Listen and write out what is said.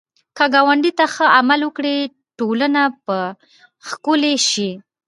که ګاونډي ته ښه عمل وکړې، ټولنه به ښکلې شي